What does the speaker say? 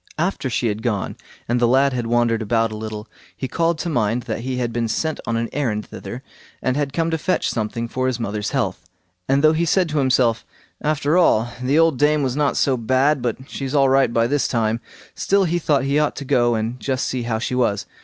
After she had gone, and the lad had wandered about a little, he called to mind that he had been sent on an errand thither, and had come to fetch something for his mother's health; and though he said to himself, "After all, the old dame was not so bad but she's all right by this time"—still he thought he ought to go and just see how she was.